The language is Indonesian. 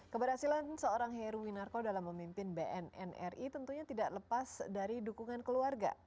keberhasilan seorang heru winarko dalam memimpin bnnri tentunya tidak lepas dari dukungan keluarga